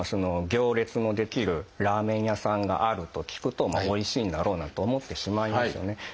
行列の出来るラーメン屋さんがあると聞くとおいしいんだろうなと思ってしまいますよね。